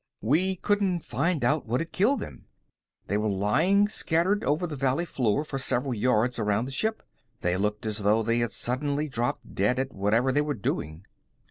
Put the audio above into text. We couldn't find out what had killed them. They were lying scattered over the valley floor for several yards around the ship. They looked as though they had suddenly dropped dead at whatever they were doing."